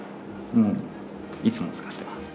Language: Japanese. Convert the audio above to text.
いつも使ってます。